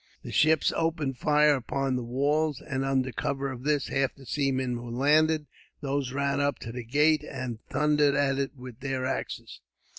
The ships opened fire upon the walls; and, under cover of this, half the seamen were landed. These ran up to the gate, and thundered at it with their axes.